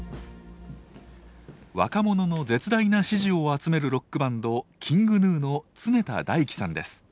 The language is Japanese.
若者の絶大な支持を集めるロックバンドＫｉｎｇＧｎｕの常田大希さんです。